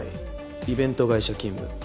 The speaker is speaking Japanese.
イベント会社勤務。